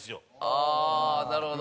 ああーなるほど。